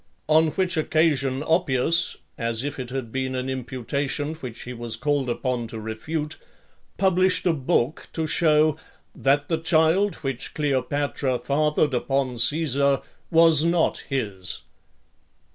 On which occasion, Oppius, as if it had been an imputation which he was called upon to refute, published a book to shew, "that the child which Cleopatra fathered upon Caesar, was not his."